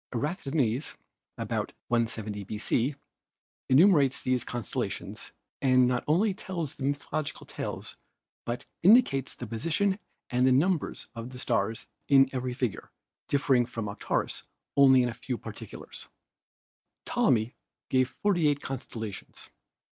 " Eratosthenes (about 170 B.C.) enumerates these constella 260 ASTRONOMY tions, and not only tells the mythological stories but indi cates the positions and numbers of stars in every figure, differing from Aratus only in a few particulars. "Ptolemy gave forty eight constellations.